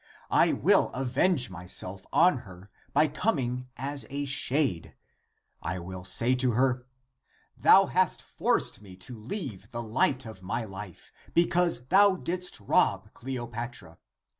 I will avenge myself on her by coming as a shade. I will say to her, thou hast forced me to leave the light of life, because thou didst rob Cleopatra.